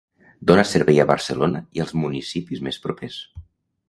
Dóna servei a Barcelona i als municipis més propers.